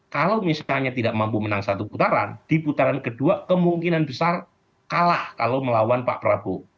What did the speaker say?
kalau misalnya tidak mampu menang satu putaran di putaran kedua kemungkinan besar kalah kalau melawan pak prabowo